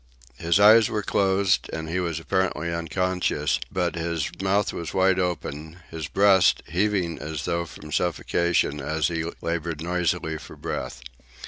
His eyes were closed, and he was apparently unconscious; but his mouth was wide open, his breast, heaving as though from suffocation as he laboured noisily for breath.